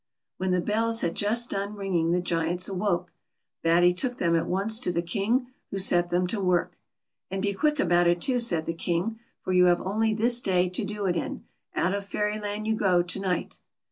When the bells had just done ringing the Giants awoke. Batty took them at once to the King, who set them to work. " And be quick about it too," said the King; " for you have only this day to do it in ; out of Fairyland } ou go to night."